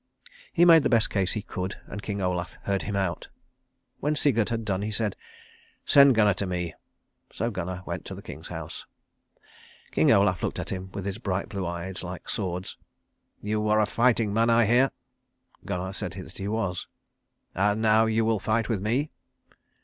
He made the best case he could, and King Olaf heard him out. When Sigurd had done he said, "Send Gunnar to me." So Gunnar went to the King's house. King Olaf looked at him with his bright blue eyes like swords. "You are a fighting man, I hear." Gunnar said that he was. "And now you will fight with me."